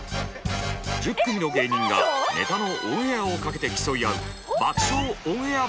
１０組の芸人がネタのオンエアをかけて競い合う。